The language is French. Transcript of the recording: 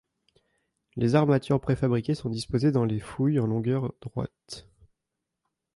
Les armatures préfabriquées sont disposées dans les fouilles en longueurs droites.